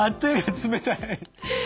冷たい。